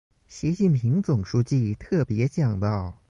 习近平总书记特别讲到